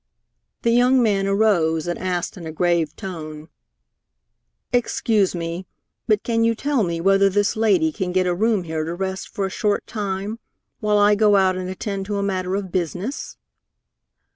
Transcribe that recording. The young man arose and asked in a grave tone: "Excuse me, but can you tell me whether this lady can get a room here to rest for a short time, while I go out and attend to a matter of business?"